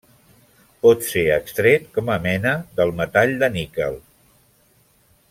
Pot ser extret com a mena del metall de níquel.